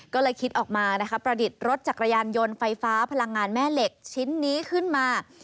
ก็เลยคิดออกมานะคะประดิษฐ์รถจักรยานยนต์ไฟฟ้าพลังงานแม่เหล็กชิ้นนี้ขึ้นมา